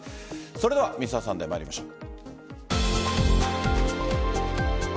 それは「Ｍｒ．サンデー」参りましょう。